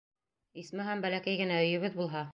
Исмаһам, бәләкәй генә өйөбөҙ булһа...